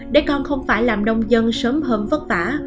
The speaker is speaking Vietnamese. để con không phải làm nông dân sớm hơn vất vả